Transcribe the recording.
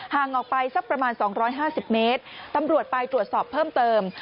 ห่างออกไปสักประมาณ๒๕๐เมตรตำรวจไปตรวจสอบเพิ่มเติม